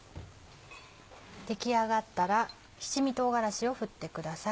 出来上がったら七味唐辛子を振ってください。